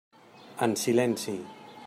En silenci.